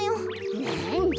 なんだ。